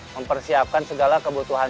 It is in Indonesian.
mempersiapkan segala kebutuhan